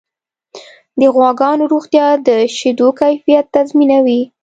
د غواګانو روغتیا د شیدو کیفیت تضمینوي.